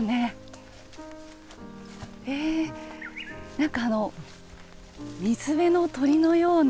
なんかあの水辺の鳥のような。